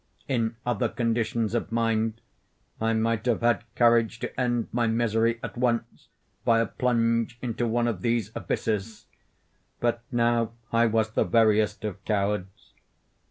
In other conditions of mind I might have had courage to end my misery at once by a plunge into one of these abysses; but now I was the veriest of cowards.